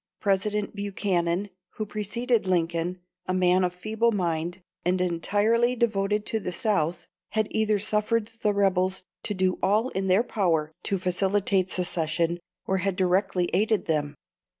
President Buchanan, who preceded Lincoln a man of feeble mind, and entirely devoted to the South had either suffered the rebels to do all in their power to facilitate secession, or had directly aided them.